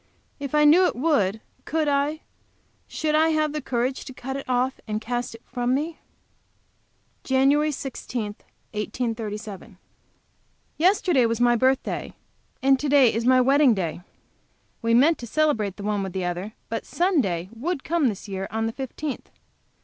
If I knew it would, could I, should I have courage to cut it off and cast it from me? JAN. 16, 1837. Yesterday was my birthday, and to day is my wedding day. We meant to celebrate the one with the other, but Sunday would come this year on the fifteenth.